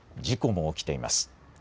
事故も起きています。